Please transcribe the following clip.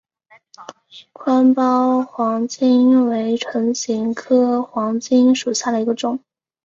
宽苞黄芩为唇形科黄芩属下的一个种。